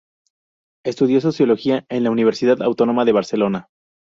Estudió sociología en la Universidad Autónoma de Barcelona.